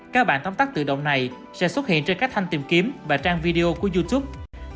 các bạn tấm tắt tự động này sẽ xuất hiện trên các thanh tìm kiếm và trang video của youtube